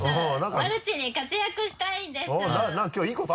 マルチに活躍したいんです。